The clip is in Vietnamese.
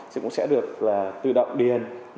thì cũng sẽ được là tự động điền